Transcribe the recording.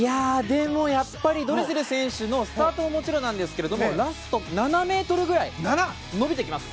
でも、やっぱりドレセル選手のスタートももちろんですがラスト７ｍぐらい伸びてきます。